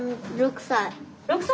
６歳？